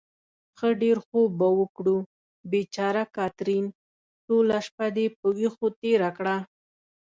ښه ډېر خوب به وکړو. بېچاره کاترین، ټوله شپه دې په وېښو تېره کړه.